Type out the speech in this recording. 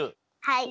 はい。